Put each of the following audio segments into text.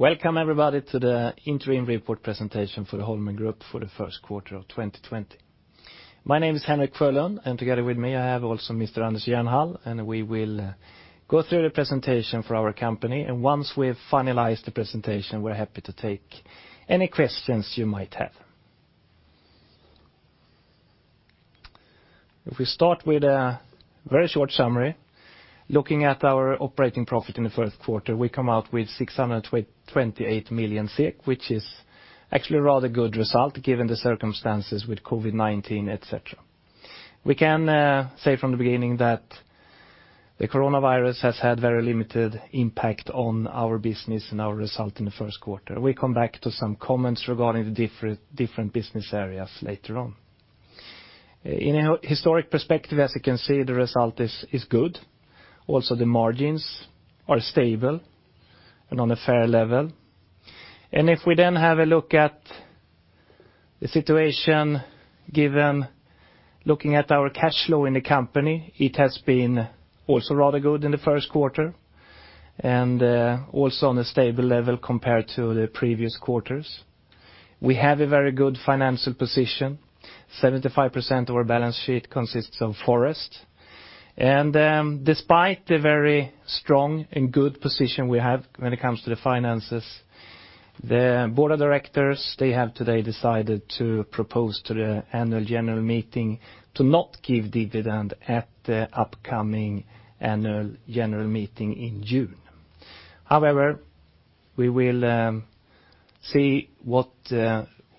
Welcome everybody to the interim report presentation for the Holmen Group for the first quarter of 2020. My name is Henrik Sjölund, and together with me I have also Mr. Anders Jernhall and we will go through the presentation for our company. Once we have finalized the presentation, we're happy to take any questions you might have. If we start with a very short summary, looking at our operating profit in the first quarter, we come out with 628 million SEK, which is actually a rather good result given the circumstances with COVID-19, etc. We can say from the beginning that the coronavirus has had a very limited impact on our business and our result in the first quarter. We come back to some comments regarding the different business areas later on. In a historic perspective, as you can see, the result is good. Also, the margins are stable and on a fair level. If we then have a look at the situation given, looking at our cash flow in the company, it has been also rather good in the first quarter and also on a stable level compared to the previous quarters. We have a very good financial position. 75% of our balance sheet consists of Forest. Despite the very strong and good position we have when it comes to the finances, the Board of Directors, they have today decided to propose to the annual general meeting to not give dividend at the upcoming annual general meeting in June. However, we will see what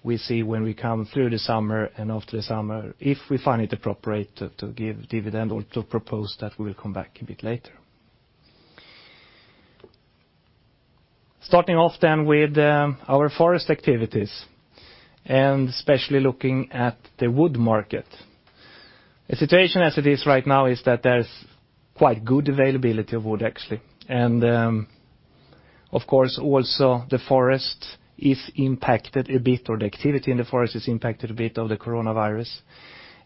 we see when we come through the summer and after the summer. If we find it appropriate to give dividend or to propose that, we will come back a bit later. Starting off then with our forest activities and especially looking at the wood market. The situation as it is right now is that there's quite good availability of wood, actually. And of course, also the forest is impacted a bit, or the activity in the forest is impacted a bit of the coronavirus.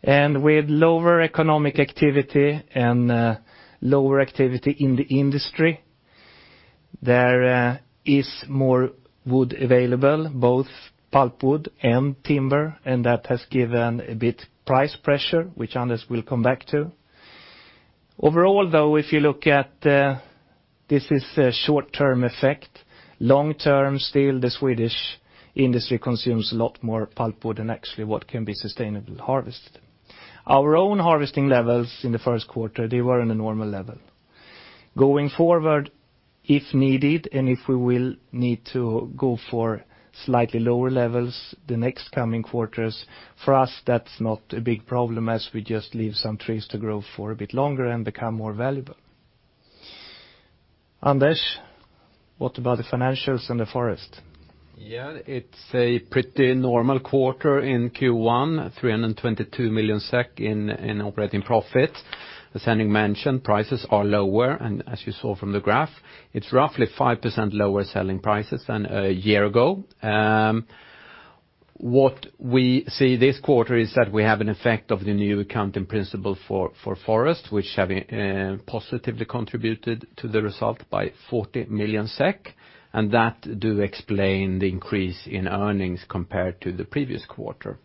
And with lower economic activity and lower activity in the industry, there is more wood available, both pulpwood and timber, and that has given a bit of price pressure, which Anders will come back to. Overall, though, if you look at this as a short-term effect, long-term still, the Swedish Industry consumes a lot more pulpwood than actually what can be sustainably harvested. Our own harvesting levels in the first quarter, they were on a normal level. Going forward, if needed and if we will need to go for slightly lower levels the next coming quarters, for us that's not a big problem as we just leave some trees to grow for a bit longer and become more valuable. Anders, what about the financials and the forest? Yeah, it's a pretty normal quarter in Q1, 322 million SEK in operating profit. As Henrik mentioned, prices are lower, and as you saw from the graph, it's roughly 5% lower selling prices than a year ago. What we see this quarter is that we have an effect of the new accounting principle for forest, which has positively contributed to the result by 40 million SEK, and that does explain the increase in earnings compared to the previous quarter.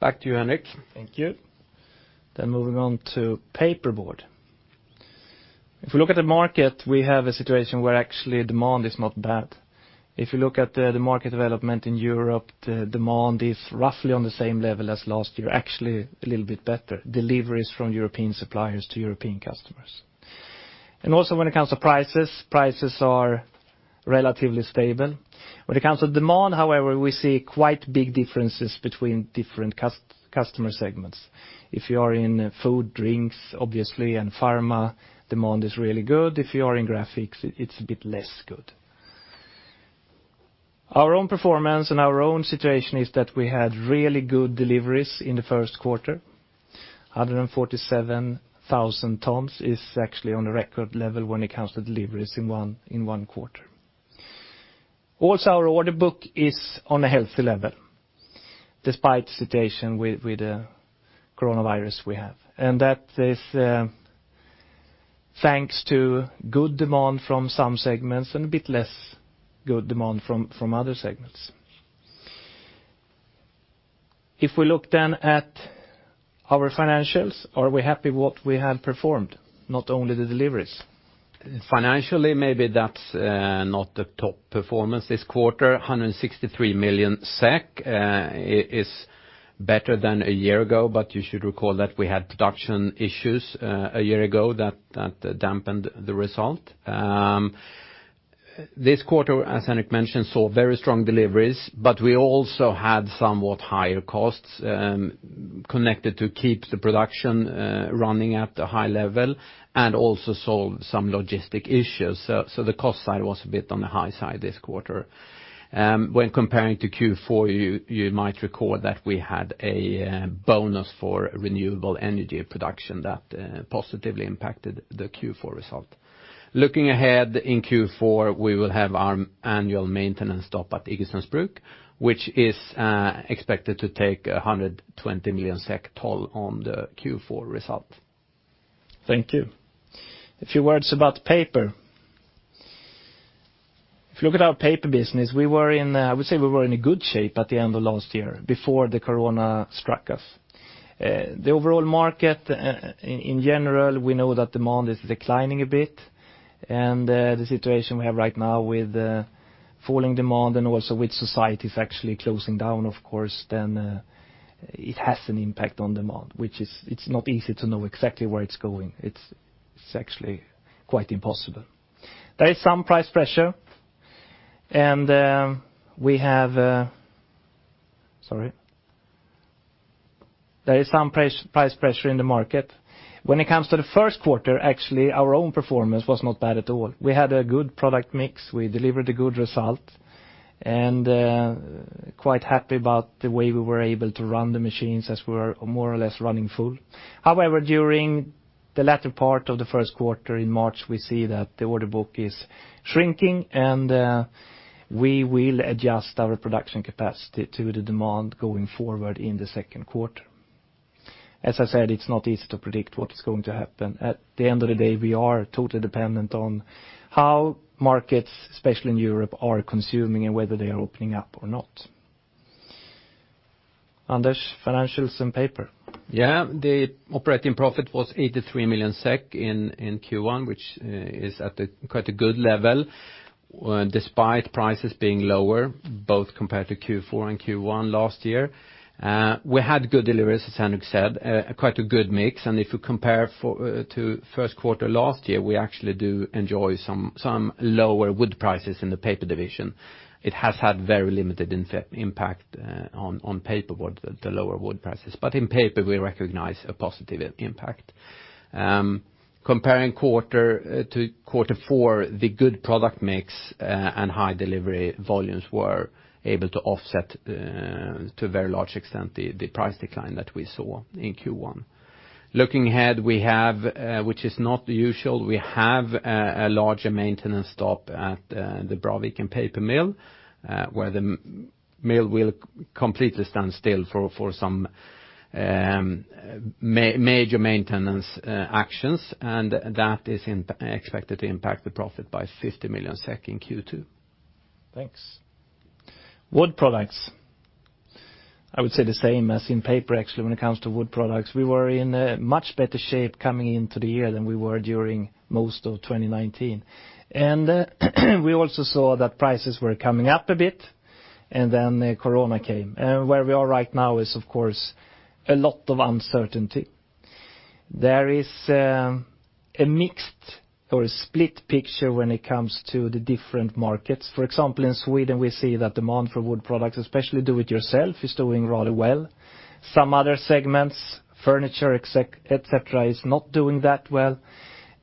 Back to you, Henrik. Thank you. Then moving on to paperboard. If we look at the market, we have a situation where actually demand is not bad. If you look at the market development in Europe, the demand is roughly on the same level as last year, actually a little bit better deliveries from European suppliers to European customers. And also when it comes to prices, prices are relatively stable. When it comes to demand, however, we see quite big differences between different customer segments. If you are in food, drinks, obviously, and pharma, demand is really good. If you are in graphics, it's a bit less good. Our own performance and our own situation is that we had really good deliveries in the first quarter. 147,000 tons is actually on the record level when it comes to deliveries in one quarter. Also, our order book is on a healthy level despite the situation with the coronavirus we have. And that is thanks to good demand from some segments and a bit less good demand from other segments. If we look then at our financials, are we happy with what we have performed, not only the deliveries? Financially, maybe that's not the top performance this quarter. 163 million SEK is better than a year ago, but you should recall that we had production issues a year ago that dampened the result. This quarter, as Henrik mentioned, saw very strong deliveries, but we also had somewhat higher costs connected to keep the production running at a high level and also solve some logistic issues. So the cost side was a bit on the high side this quarter. When comparing to Q4, you might recall that we had a bonus for Renewable Energy production that positively impacted the Q4 result. Looking ahead in Q4, we will have our annual maintenance stop at Iggesunds Bruk, which is expected to take 120 million SEK toll on the Q4 result. Thank you. A few words about paper. If you look at our paper business, we were in, I would say we were in good shape at the end of last year before the corona struck us. The overall market in general, we know that demand is declining a bit, and the situation we have right now with falling demand and also with societies actually closing down, of course, then it has an impact on demand, which is it's not easy to know exactly where it's going. It's actually quite impossible. There is some price pressure, and we have, sorry, there is some price pressure in the market. When it comes to the first quarter, actually, our own performance was not bad at all. We had a good product mix. We delivered a good result and quite happy about the way we were able to run the machines as we were more or less running full. However, during the latter part of the first quarter in March, we see that the order book is shrinking, and we will adjust our production capacity to the demand going forward in the second quarter. As I said, it's not easy to predict what's going to happen. At the end of the day, we are totally dependent on how markets, especially in Europe, are consuming and whether they are opening up or not. Anders, financials and paper. Yeah, the operating profit was 83 million SEK in Q1, which is at quite a good level despite prices being lower both compared to Q4 and Q1 last year. We had good deliveries, as Henrik said, quite a good mix, and if you compare to first quarter last year, we actually do enjoy some lower wood prices in the paper division. It has had very limited impact on paperboard, the lower wood prices, but in paper, we recognize a positive impact. Comparing quarter to quarter four, the good product mix and high delivery volumes were able to offset to a very large extent the price decline that we saw in Q1. Looking ahead, we have, which is not usual, we have a larger maintenance stop at the Braviken Paper Mill where the mill will completely stand still for some major maintenance actions, and that is expected to impact the profit by 50 million SEK in Q2. Thanks. Wood products. I would say the same as in paper, actually, when it comes to wood products. We were in much better shape coming into the year than we were during most of 2019, and we also saw that prices were coming up a bit, and then corona came, and where we are right now is, of course, a lot of uncertainty. There is a mixed or a split picture when it comes to the different markets. For example, in Sweden, we see that demand for wood products, especially Do-It-Yourself, is doing rather well. Some other segments, furniture, etc., is not doing that well.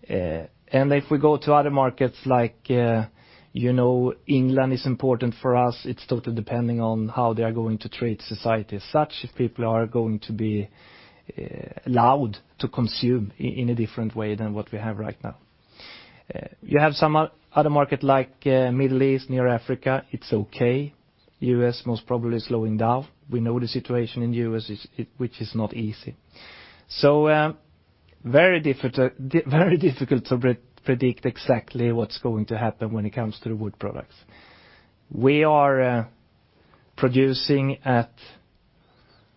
If we go to other markets like, you know, England is important for us. It's totally depending on how they are going to treat society as such if people are going to be allowed to consume in a different way than what we have right now. You have some other markets like the Middle East, near Africa. It's okay. The U.S. most probably is slowing down. We know the situation in the U.S., which is not easy, so very difficult to predict exactly what's going to happen when it comes to the wood products. We are producing at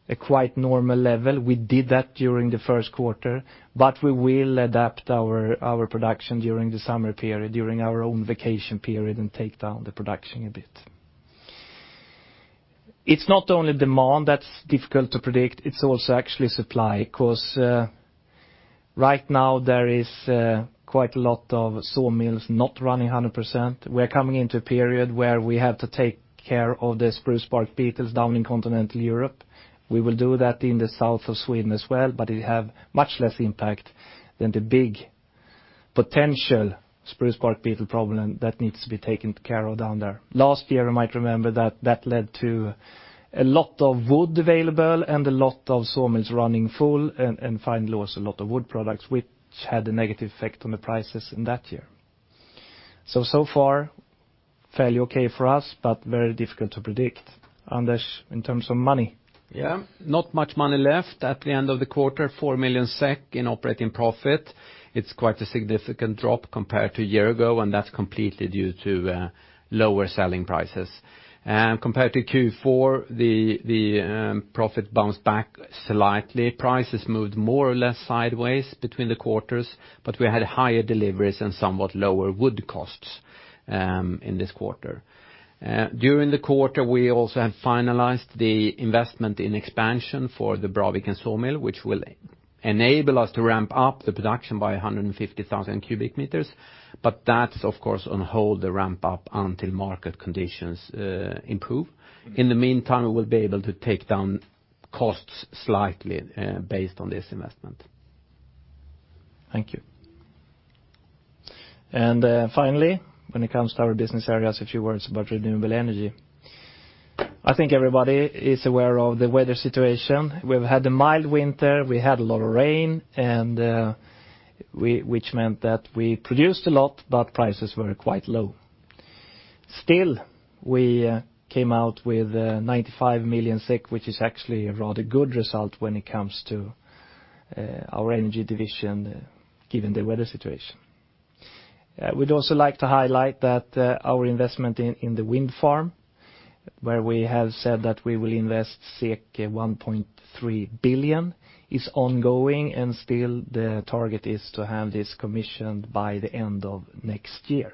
a quite normal level. We did that during the first quarter, but we will adapt our production during the summer period, during our own vacation period, and take down the production a bit. It's not only demand that's difficult to predict. It's also actually supply because right now there is quite a lot of sawmills not running 100%. We are coming into a period where we have to take care of the spruce bark beetles down in continental Europe. We will do that in the south of Sweden as well, but it has much less impact than the big potential spruce bark beetle problem that needs to be taken care of down there. Last year, you might remember that led to a lot of wood available and a lot of sawmills running full and finally also a lot of wood products, which had a negative effect on the prices in that year. So so far, fairly okay for us, but very difficult to predict. Anders, in terms of money? Yeah, not much money left at the end of the quarter, 4 million SEK in operating profit. It's quite a significant drop compared to a year ago, and that's completely due to lower selling prices. Compared to Q4, the profit bounced back slightly. Prices moved more or less sideways between the quarters, but we had higher deliveries and somewhat lower wood costs in this quarter. During the quarter, we also have finalized the investment in expansion for the Braviken Sawmill, which will enable us to ramp up the production by 150,000 m³, but that's, of course, on hold to ramp up until market conditions improve. In the meantime, we will be able to take down costs slightly based on this investment. Thank you, and finally, when it comes to our business areas, a few words about renewable energy. I think everybody is aware of the weather situation. We've had a mild winter. We had a lot of rain, which meant that we produced a lot, but prices were quite low. Still, we came out with 95 million, which is actually a rather good result when it comes to our energy division given the weather situation. We'd also like to highlight that our investment in the wind farm, where we have said that we will invest 1.3 billion, is ongoing, and still the target is to have this commissioned by the end of next year.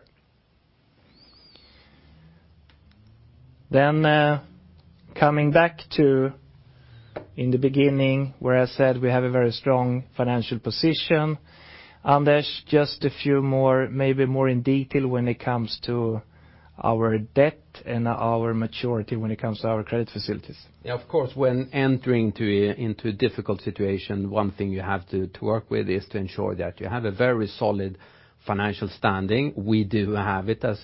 Then coming back to in the beginning where I said we have a very strong financial position. Anders, just a few more, maybe more in detail when it comes to our debt and our maturity when it comes to our credit facilities. Yeah, of course, when entering into a difficult situation, one thing you have to work with is to ensure that you have a very solid financial standing. We do have it, as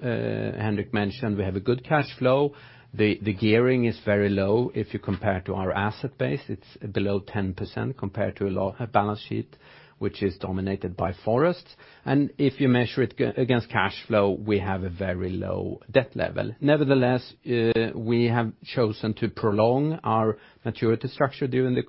Henrik mentioned. We have a good cash flow. The gearing is very low. If you compare to our asset base, it's below 10% compared to a balance sheet, which is dominated by forests, and if you measure it against cash flow, we have a very low debt level. Nevertheless, we have chosen to prolong our maturity structure during the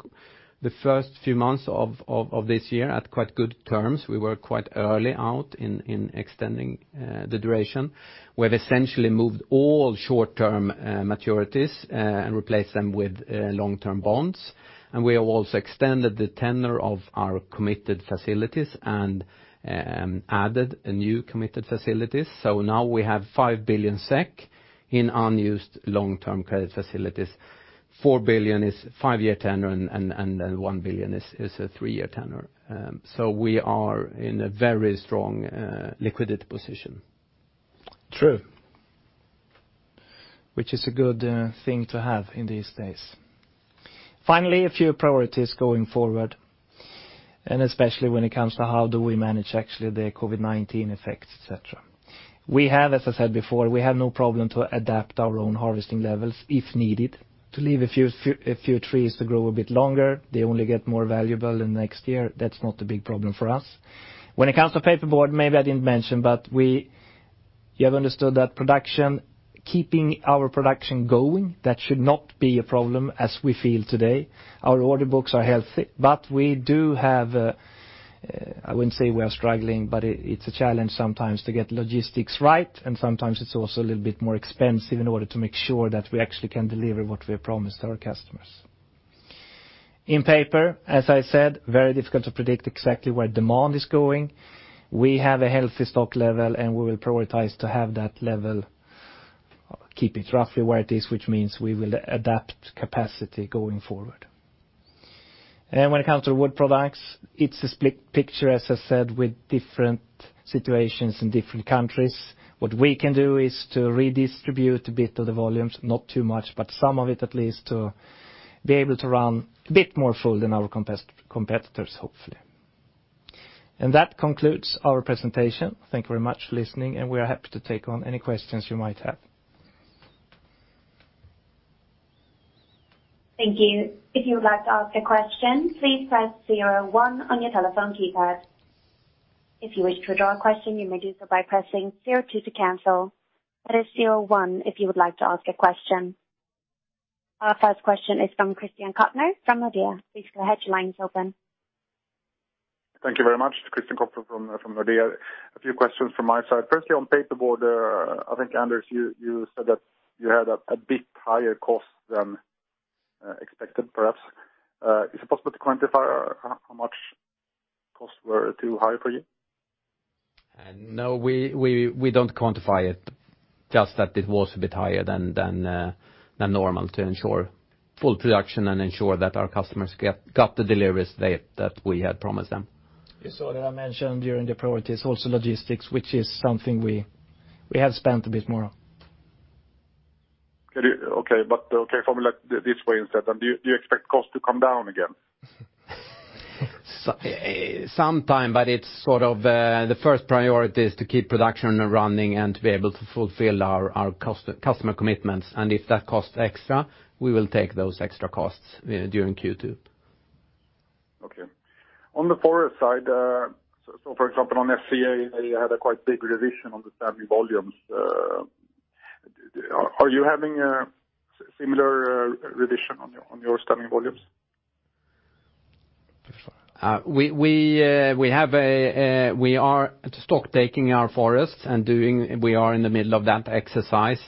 first few months of this year at quite good terms. We were quite early out in extending the duration. We have essentially moved all short-term maturities and replaced them with long-term bonds, and we have also extended the tenure of our committed facilities and added new committed facilities. So now we have 5 billion SEK in unused long-term credit facilities. 4 billion is five-year tenure, and 1 billion is a three-year tenure. So we are in a very strong liquidity position. True. Which is a good thing to have in these days. Finally, a few priorities going forward, and especially when it comes to how do we manage actually the COVID-19 effects, etc. We have, as I said before, we have no problem to adapt our own harvesting levels if needed to leave a few trees to grow a bit longer. They only get more valuable in the next year. That's not a big problem for us. When it comes to paperboard, maybe I didn't mention, but we have understood that production, keeping our production going, that should not be a problem as we feel today. Our order books are healthy, but we do have. I wouldn't say we are struggling, but it's a challenge sometimes to get logistics right, and sometimes it's also a little bit more expensive in order to make sure that we actually can deliver what we have promised our customers. In paper, as I said, very difficult to predict exactly where demand is going. We have a healthy stock level, and we will prioritize to have that level, keep it roughly where it is, which means we will adapt capacity going forward. And when it comes to wood products, it's a split picture, as I said, with different situations in different countries. What we can do is to redistribute a bit of the volumes, not too much, but some of it at least, to be able to run a bit more full than our competitors, hopefully. And that concludes our presentation. Thank you very much for listening, and we are happy to take on any questions you might have. Thank you. If you would like to ask a question, please press zero one on your telephone keypad. If you wish to withdraw a question, you may do so by pressing zero two to cancel. That is zero one if you would like to ask a question. Our first question is from Christian Kopfer from Nordea. Please go ahead. Your line is open. Thank you very much, Christian Kopfer from Nordea. A few questions from my side. Firstly, on paperboard, I think, Anders, you said that you had a bit higher cost than expected, perhaps. Is it possible to quantify how much costs were too high for you? No, we don't quantify it. Just that it was a bit higher than normal to ensure full production and ensure that our customers got the deliveries that we had promised them. You saw that I mentioned during the priorities, also logistics, which is something we have spent a bit more on. Okay, formulate this way instead. And do you expect costs to come down again? Sometimes, but it's sort of the first priority is to keep production running and to be able to fulfill our customer commitments. And if that costs extra, we will take those extra costs during Q2. Okay. On the forest side, so for example, on SCA, you had a quite big revision on the standing volumes. Are you having a similar revision on your standing volumes? We are stock-taking our forests and doing, we are in the middle of that exercise.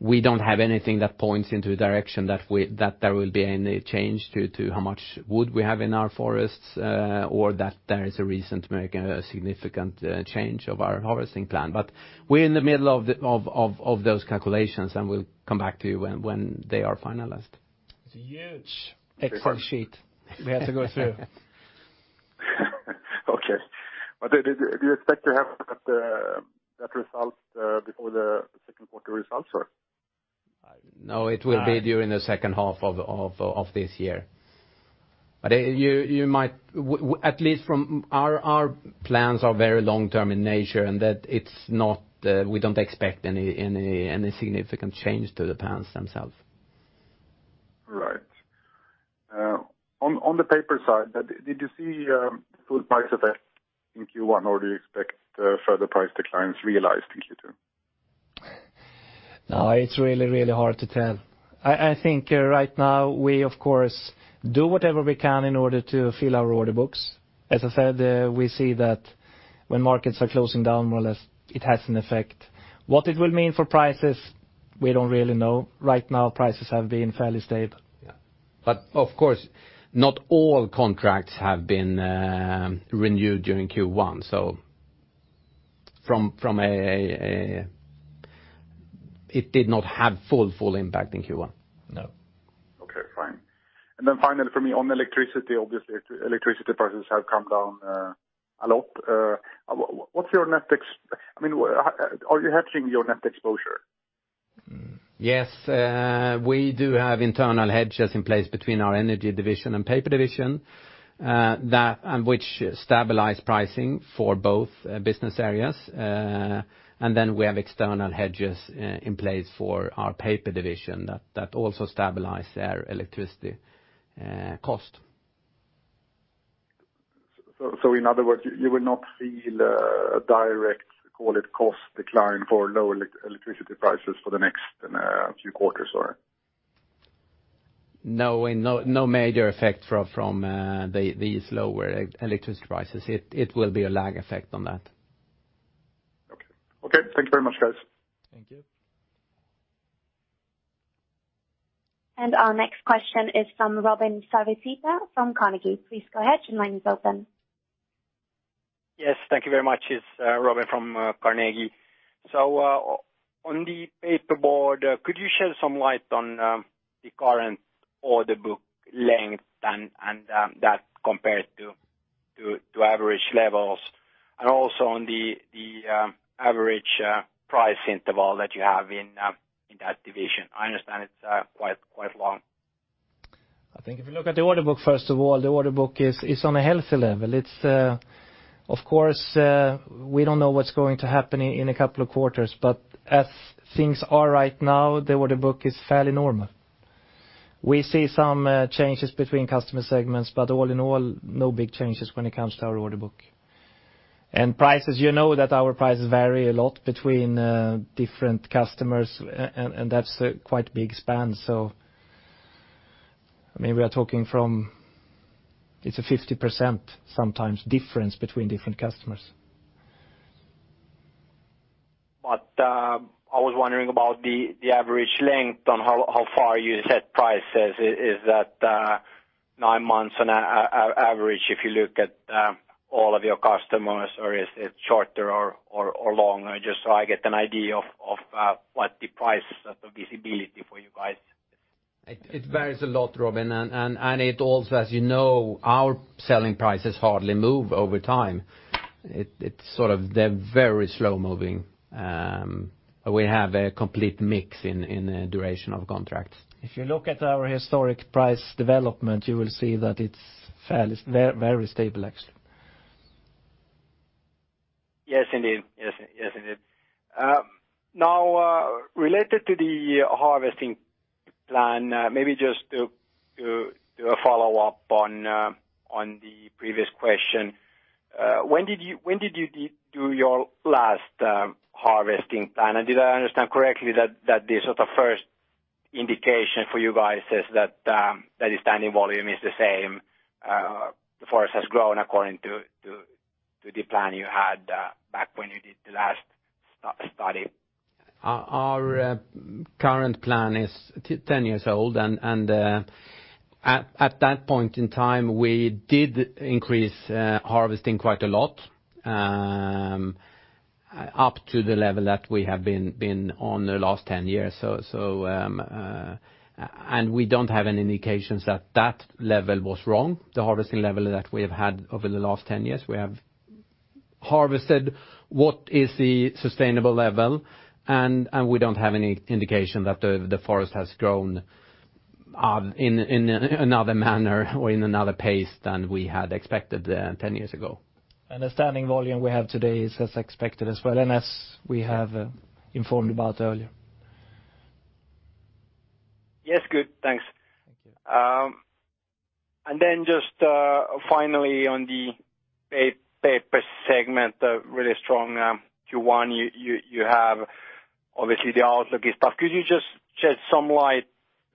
We don't have anything that points into the direction that there will be any change to how much wood we have in our forests or that there is a reason to make a significant change of our harvesting plan. But we're in the middle of those calculations, and we'll come back to you when they are finalized. It's a huge exercise. Excel sheet we have to go through. Okay. But do you expect to have that result before the second quarter results, or? No, it will be during the second half of this year, but you might, at least from our plans, are very long-term in nature, and that it's not. We don't expect any significant change to the plans themselves. Right. On the paper side, did you see full price effect in Q1, or do you expect further price declines realized in Q2? No, it's really, really hard to tell. I think right now we, of course, do whatever we can in order to fill our order books. As I said, we see that when markets are closing down, more or less, it has an effect. What it will mean for prices, we don't really know. Right now, prices have been fairly stable. Yeah. But of course, not all contracts have been renewed during Q1, so from a, it did not have full, full impact in Q1. No. Okay, fine. And then finally for me, on electricity, obviously, electricity prices have come down a lot. What's your net, I mean, are you hedging your net exposure? Yes, we do have internal hedges in place between our Energy division and Paper division, which stabilize pricing for both business areas, and then we have external hedges in place for our Paper division that also stabilize their electricity cost. In other words, you will not feel a direct, call it, cost decline for lower electricity prices for the next few quarters, or? No, no major effect from these lower electricity prices. It will be a lag effect on that. Okay, thank you very much, guys. Thank you. Our next question is from Robin Santavirta from Carnegie. Please go ahead. Your line is open. Yes, thank you very much. It's Robin from Carnegie. So on the paperboard, could you shed some light on the current order book length and that compared to average levels, and also on the average price interval that you have in that division? I understand it's quite long. I think if you look at the order book, first of all, the order book is on a healthy level. It's, of course, we don't know what's going to happen in a couple of quarters, but as things are right now, the order book is fairly normal. We see some changes between customer segments, but all in all, no big changes when it comes to our order book, and prices, you know that our prices vary a lot between different customers, and that's a quite big span, so I mean, we are talking from, it's a 50% sometimes difference between different customers. But I was wondering about the average length on how far you set prices. Is that nine months on average if you look at all of your customers, or is it shorter or longer? Just so I get an idea of what the price visibility for you guys is. It varies a lot, Robin, and it also, as you know, our selling prices hardly move over time. It's sort of they're very slow-moving. We have a complete mix in the duration of contracts. If you look at our historic price development, you will see that it's fairly very stable, actually. Yes, indeed. Yes, indeed. Now, related to the harvesting plan, maybe just to do a follow up on the previous question. When did you do your last harvesting plan? And did I understand correctly that the sort of first indication for you guys is that the standing volume is the same, the forest has grown according to the plan you had back when you did the last study? Our current plan is 10 years old, and at that point in time, we did increase harvesting quite a lot up to the level that we have been on the last 10 years. And we don't have any indications that that level was wrong, the harvesting level that we have had over the last 10 years. We have harvested what is the sustainable level, and we don't have any indication that the forest has grown in another manner or in another pace than we had expected 10 years ago. And the standing volume we have today is as expected as well and as we have informed about earlier. Yes, good. Thanks. And then just finally on the Paper segment, really strong Q1, you have obviously the outlooky stuff. Could you just shed some light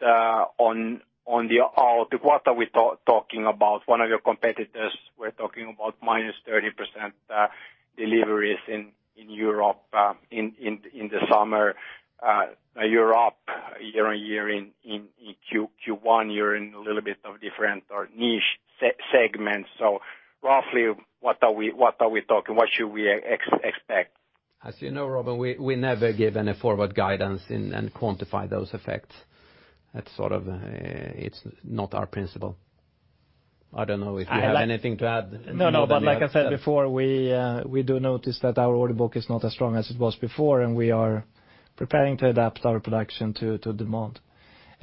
on the outlook? What are we talking about? One of your competitors we're talking about -30% deliveries in Europe in the summer. You're up year-on-year in Q1. You're in a little bit of different or niche segments. So roughly, what are we talking? What should we expect? As you know, Robin, we never give any forward guidance and quantify those effects. That's sort of, it's not our principle. I don't know if you have anything to add. No, no, but like I said before, we do notice that our order book is not as strong as it was before, and we are preparing to adapt our production to demand.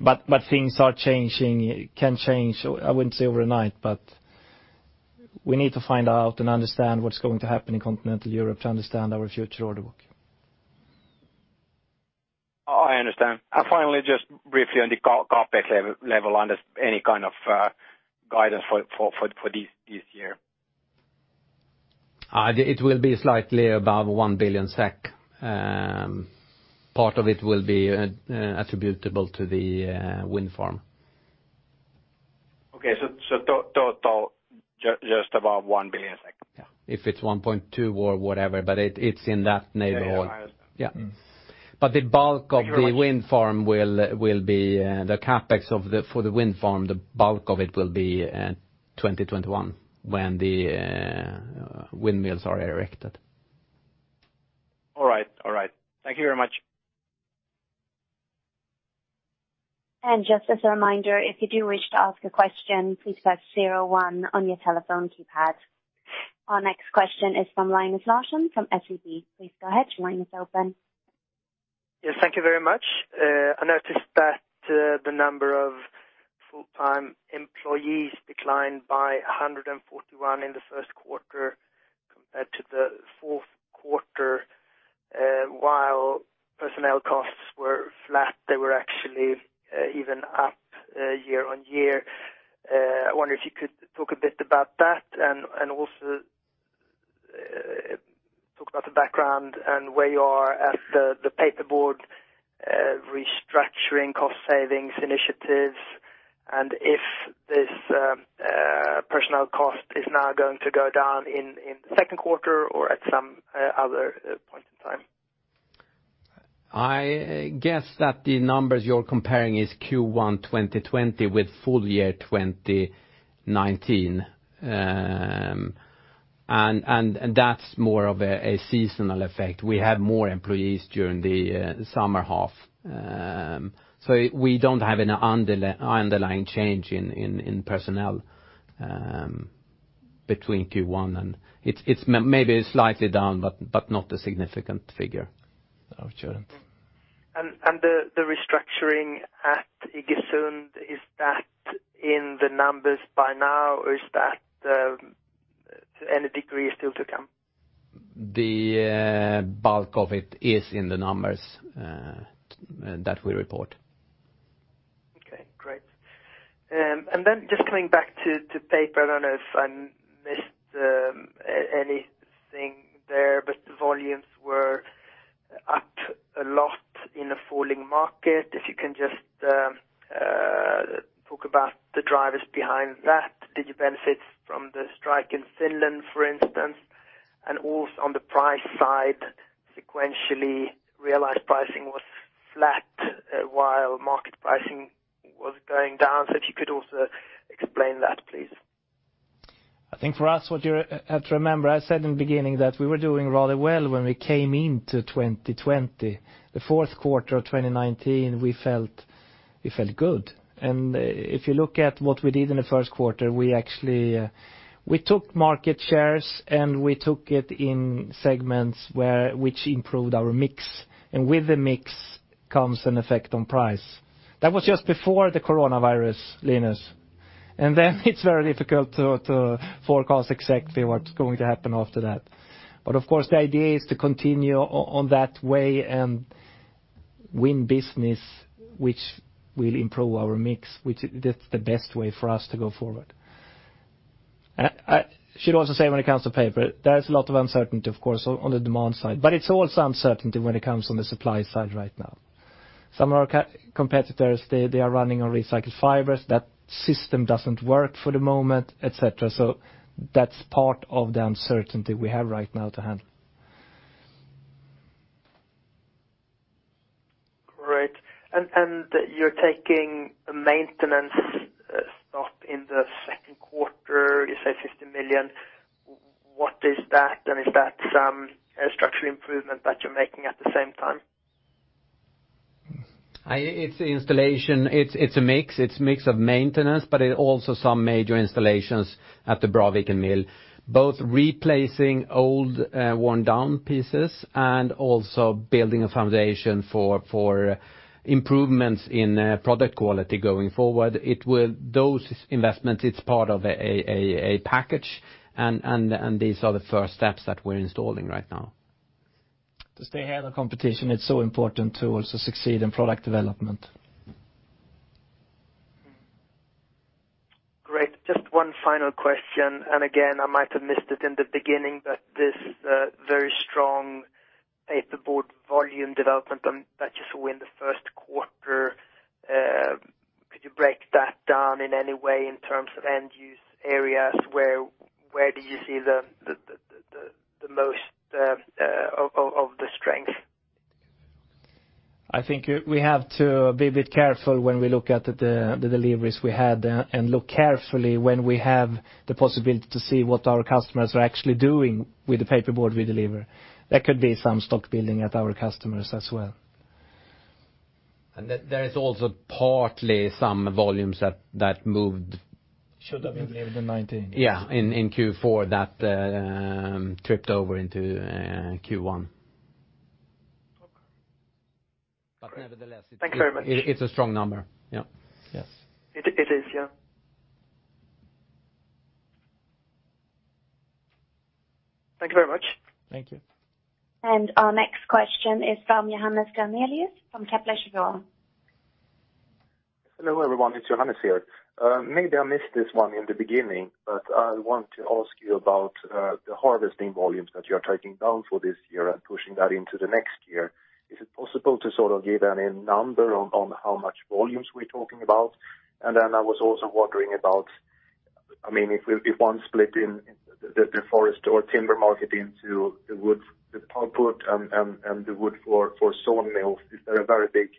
But things are changing, can change. I wouldn't say overnight, but we need to find out and understand what's going to happen in Continental Europe to understand our future order book. I understand. And finally, just briefly on the CapEx level, any kind of guidance for this year? It will be slightly above 1 billion SEK. Part of it will be attributable to the wind farm. Okay, so total just about 1 billion. Yeah. If it's 1.2 or whatever, but it's in that neighborhood. Yeah, I understand. Yeah, but the bulk of the wind farm will be the CapEx for the wind farm, the bulk of it will be 2021 when the windmills are erected. All right. All right. Thank you very much. Just as a reminder, if you do wish to ask a question, please press zero one on your telephone keypad. Our next question is from Linus Larsson from SEB. Please go ahead. Your line is open. Yes, thank you very much. I noticed that the number of full-time employees declined by 141 in the first quarter compared to the fourth quarter. While personnel costs were flat, they were actually even up year-on-year. I wonder if you could talk a bit about that and also talk about the background and where you are at the paperboard restructuring, cost savings initiatives, and if this personnel cost is now going to go down in the second quarter or at some other point in time. I guess that the numbers you're comparing is Q1 2020 with full year 2019, and that's more of a seasonal effect. We have more employees during the summer half, so we don't have an underlying change in personnel between Q1 and it's maybe slightly down, but not a significant figure of Jordan]. The restructuring at Iggesund, is that in the numbers by now, or is that to any degree still to come? The bulk of it is in the numbers that we report. Okay, great. And then just coming back to paper, I don't know if I missed anything there, but the volumes were up a lot in a falling market. If you can just talk about the drivers behind that. Did you benefit from the strike in Finland, for instance? And also on the price side, sequentially, realized pricing was flat while market pricing was going down. So if you could also explain that, please. I think for us, what you have to remember, I said in the beginning that we were doing rather well when we came into 2020. The fourth quarter of 2019, we felt good, and if you look at what we did in the first quarter, we actually took market shares and we took it in segments which improved our mix. And with the mix comes an effect on price. That was just before the coronavirus, Linus, and then it's very difficult to forecast exactly what's going to happen after that. But of course, the idea is to continue on that way and win business, which will improve our mix, which is the best way for us to go forward. I should also say when it comes to paper, there's a lot of uncertainty, of course, on the demand side. But it's also uncertainty when it comes on the supply side right now. Some of our competitors, they are running on recycled fibers. That system doesn't work for the moment, etc. So that's part of the uncertainty we have right now to handle. Great. And you're taking a maintenance stop in the second quarter, you said 50 million. What is that? And is that some structural improvement that you're making at the same time? It's installation. It's a mix. It's a mix of maintenance, but also some major installations at the Braviken Mill. Both replacing old worn-down pieces and also building a foundation for improvements in product quality going forward. Those investments, it's part of a package. And these are the first steps that we're installing right now. To stay ahead of competition, it's so important to also succeed in product development. Great. Just one final question. And again, I might have missed it in the beginning, but this very strong paperboard volume development that you saw in the first quarter, could you break that down in any way in terms of end-use areas? Where do you see the most of the strength? I think we have to be a bit careful when we look at the deliveries we had and look carefully when we have the possibility to see what our customers are actually doing with the paperboard we deliver. There could be some stock building at our customers as well. And there is also partly some volumes that moved. Should have been delivered in 2019. Yeah, in Q4 that tripped over into Q1. Okay, but nevertheless. It's a strong number. Thank you very much. Yeah. Yes. It is, yeah. Thank you very much. Thank you. Our next question is from Johannes Grunselius from Kepler Cheuvreux. Hello, everyone. It's Johannes here. Maybe I missed this one in the beginning, but I want to ask you about the harvesting volumes that you are taking down for this year and pushing that into the next year. Is it possible to sort of give any number on how much volumes we're talking about? And then I was also wondering about, I mean, if one split in the forest or timber market into the wood output and the wood for sawmills, is there a very big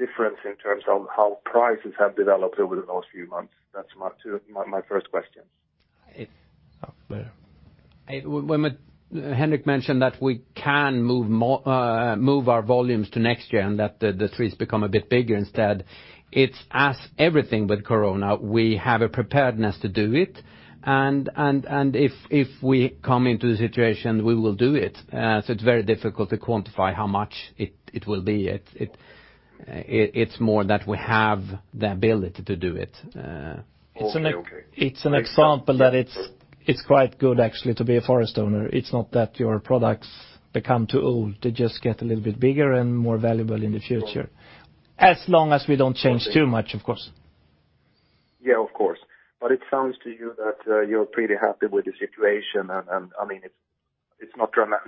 difference in terms of how prices have developed over the last few months? That's my first question. When Henrik mentioned that we can move our volumes to next year and that the trees become a bit bigger instead, it's like everything with corona, we have a preparedness to do it. And if we come into the situation, we will do it. So it's very difficult to quantify how much it will be. It's more that we have the ability to do it. It's an example that it's quite good, actually, to be a forest owner. It's not that your products become too old. They just get a little bit bigger and more valuable in the future, as long as we don't change too much, of course. Yeah, of course. But it sounds to you that you're pretty happy with the situation. And I mean, it's no drama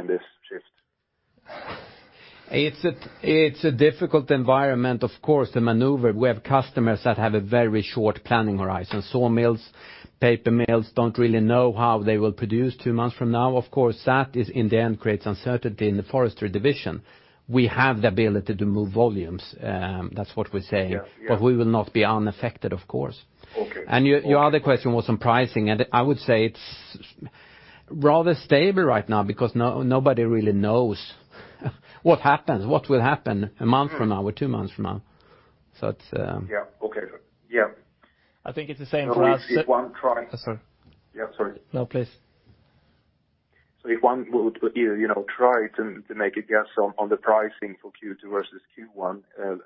in this shift. It's a difficult environment, of course, to maneuver. We have customers that have a very short planning horizon. Sawmills, paper mills don't really know how they will produce two months from now. Of course, that in the end creates uncertainty in the Forestry division. We have the ability to move volumes. That's what we're saying. But we will not be unaffected, of course. And your other question was on pricing, and I would say it's rather stable right now because nobody really knows what happens, what will happen a month from now or two months from now. So it's. Yeah. Okay. Yeah. I think it's the same for us. So if one tries. Sorry. Yeah, sorry. No, please. So if one would try to make a guess on the pricing for Q2 versus Q1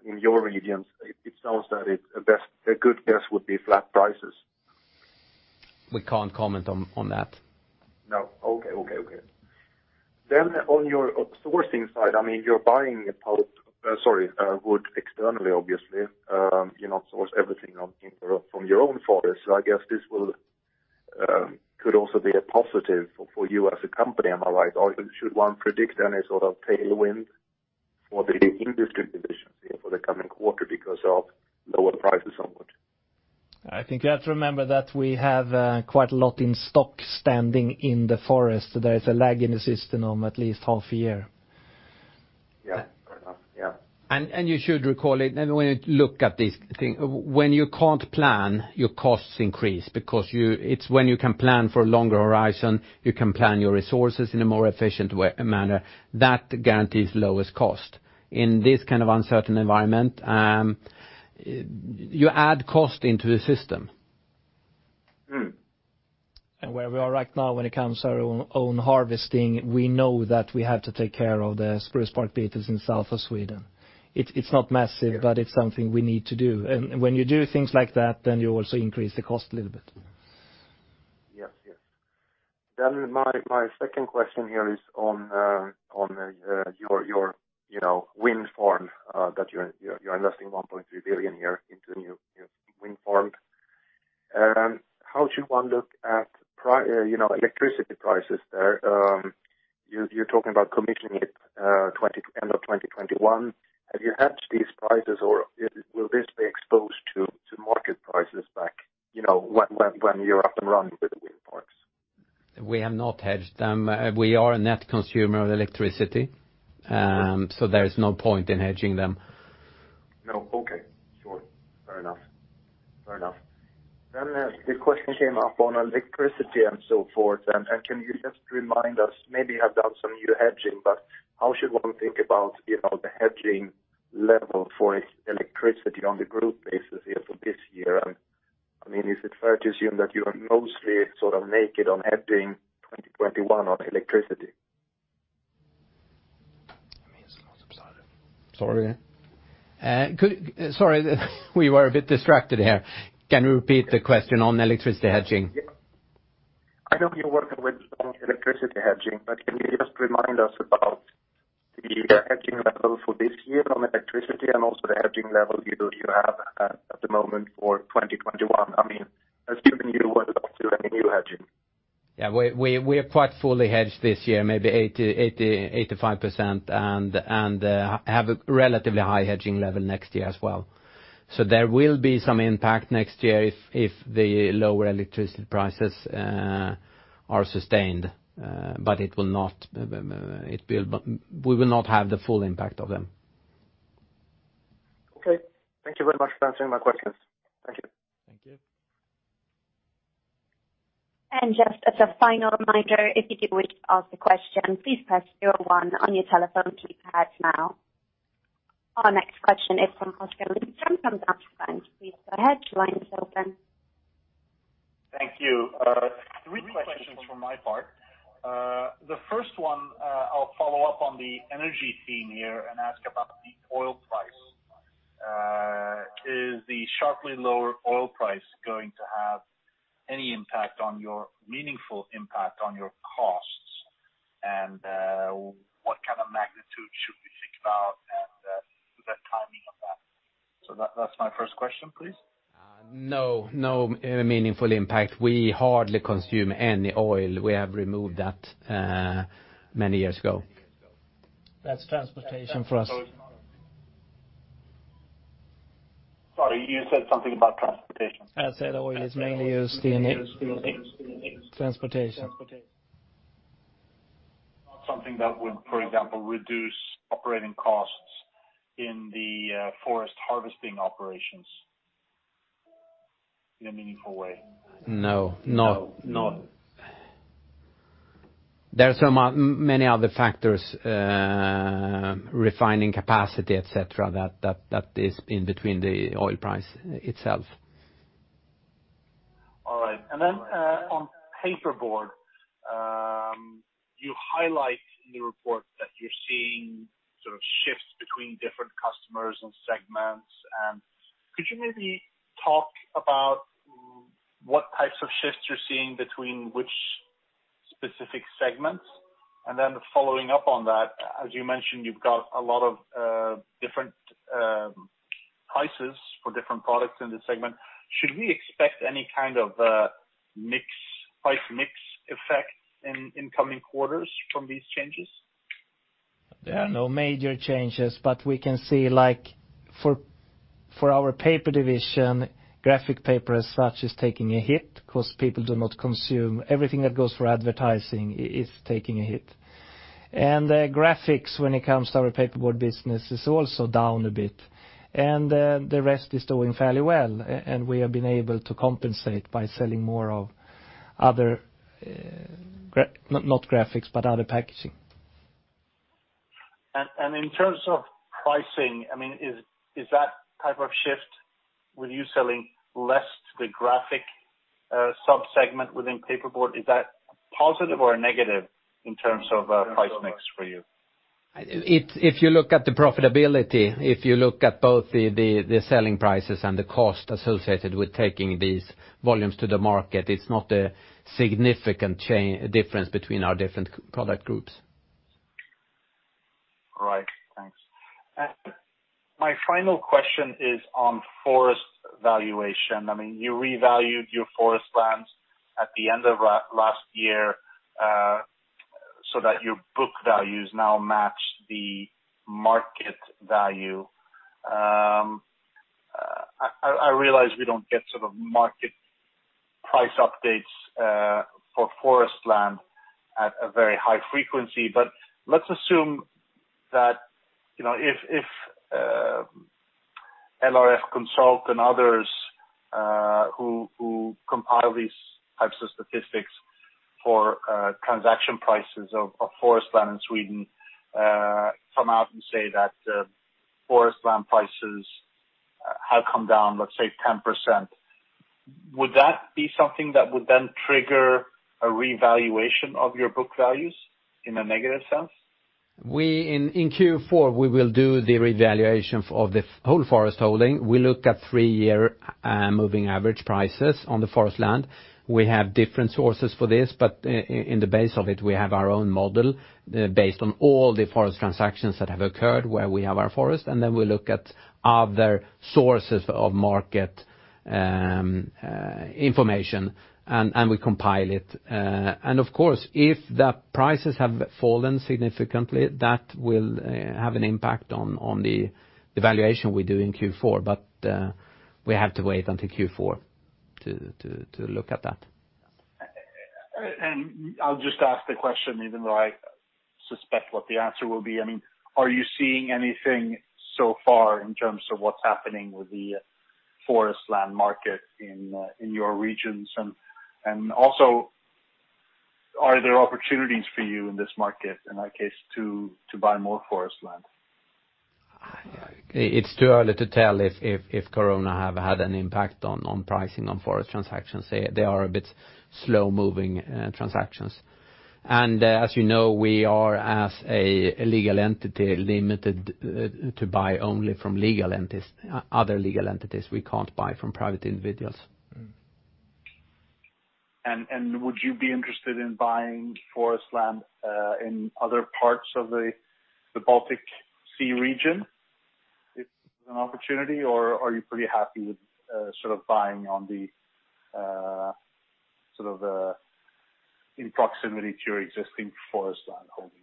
in your regions, it sounds that a good guess would be flat prices. We can't comment on that. No. Okay, okay, okay. Then on your sourcing side, I mean, you're buying a part of, sorry, wood externally, obviously. You're not sourcing everything from your own forest. So I guess this could also be a positive for you as a company, am I right? Should one predict any sort of tailwind for the industry divisions here for the coming quarter because of lower prices somewhat? I think you have to remember that we have quite a lot in stock standing in the forest. There is a lag in the system of at least half a year. Yeah. Fair enough. Yeah. You should recall it when you look at these things. When you can't plan, your costs increase because it's when you can plan for a longer horizon, you can plan your resources in a more efficient manner. That guarantees lowest cost. In this kind of uncertain environment, you add cost into the system. And where we are right now when it comes to our own harvesting, we know that we have to take care of the spruce bark beetles in south of Sweden. It's not massive, but it's something we need to do. And when you do things like that, then you also increase the cost a little bit. Yes, yes. Then my second question here is on your wind farm that you're investing 1.3 billion into a new wind farm. How should one look at electricity prices there? You're talking about commissioning it end of 2021. Have you hedged these prices, or will this be exposed to market prices back when you're up and running with the wind parks? We have not hedged them. We are a net consumer of electricity, so there is no point in hedging them. No. Okay. Sure. Fair enough. Fair enough. Then this question came up on electricity and so forth. And can you just remind us, maybe you have done some new hedging, but how should one think about the hedging level for electricity on the growth basis here for this year? And I mean, is it fair to assume that you are mostly sort of naked on hedging 2021 on electricity? Sorry. Sorry, we were a bit distracted here. Can you repeat the question on electricity hedging? Yeah. I know you're working with electricity hedging, but can you just remind us about the hedging level for this year on electricity and also the hedging level you have at the moment for 2021? I mean, assuming you were not doing any new hedging. Yeah. We are quite fully hedged this year, maybe 8%-5%, and have a relatively high hedging level next year as well. So there will be some impact next year if the lower electricity prices are sustained, but it will not, we will not have the full impact of them. Okay. Thank you very much for answering my questions. Thank you. Thank you. And just as a final reminder, if you do wish to ask a question, please press 01 on your telephone keypad now. Our next question is from Oskar Lindström from Danske Bank. Please go ahead. Line is open. Thank you. Three questions from my part. The first one, I'll follow up on the energy theme here and ask about the oil price. Is the sharply lower oil price going to have any meaningful impact on your costs? And what kind of magnitude should we think about and the timing of that? So that's my first question, please. No. No meaningful impact. We hardly consume any oil. We have removed that many years ago. That's transportation for us. Sorry, you said something about transportation. I said oil is mainly used in transportation. Not something that would, for example, reduce operating costs in the forest harvesting operations in a meaningful way? No. Not. There are so many other factors: refining capacity, etc., that is in between the oil price itself. All right. And then on paperboard, you highlight in the report that you're seeing sort of shifts between different customers and segments. And could you maybe talk about what types of shifts you're seeing between which specific segments? And then following up on that, as you mentioned, you've got a lot of different prices for different products in the segment. Should we expect any kind of price mix effect in coming quarters from these changes? There are no major changes, but we can see for our paper division, graphic paper as such is taking a hit because people do not consume. Everything that goes for advertising is taking a hit, and graphics, when it comes to our paperboard business, is also down a bit, and the rest is doing fairly well, and we have been able to compensate by selling more of other, not graphics, but other packaging. In terms of pricing, I mean, is that type of shift with you selling less to the graphic subsegment within paperboard, is that positive or negative in terms of price mix for you? If you look at the profitability, if you look at both the selling prices and the cost associated with taking these volumes to the market, it's not a significant difference between our different product groups. All right. Thanks. My final question is on forest valuation. I mean, you revalued your forest lands at the end of last year so that your book values now match the market value. I realize we don't get sort of market price updates for forest land at a very high frequency but let's assume that if LRF Konsult and others who compile these types of statistics for transaction prices of forest land in Sweden come out and say that forest land prices have come down, let's say, 10%, would that be something that would then trigger a revaluation of your book values in a negative sense? In Q4, we will do the revaluation of the whole forest holding. We look at three-year moving average prices on the forest land. We have different sources for this, but in the base of it, we have our own model based on all the forest transactions that have occurred where we have our forest, and then we look at other sources of market information, and we compile it, and of course, if the prices have fallen significantly, that will have an impact on the valuation we do in Q4, but we have to wait until Q4 to look at that. And I'll just ask the question, even though I suspect what the answer will be. I mean, are you seeing anything so far in terms of what's happening with the forest land market in your regions? And also, are there opportunities for you in this market, in that case, to buy more forest land? It's too early to tell if corona has had an impact on pricing on forest transactions. They are a bit slow-moving transactions. And as you know, we are, as a legal entity, limited to buy only from other legal entities. We can't buy from private individuals. Would you be interested in buying forest land in other parts of the Baltic Sea region if there's an opportunity, or are you pretty happy with sort of buying on sort of in proximity to your existing forest land holdings?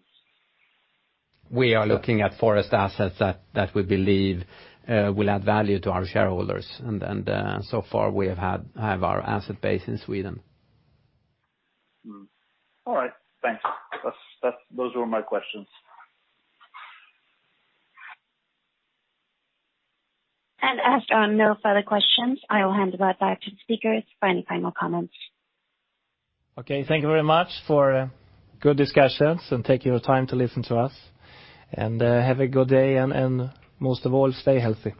We are looking at forest assets that we believe will add value to our shareholders, and so far, we have our asset base in Sweden. All right. Thanks. Those were my questions. No further questions. I will hand it back to the speakers for any final comments. Okay. Thank you very much for good discussions and taking your time to listen to us, and have a good day and, most of all, stay healthy.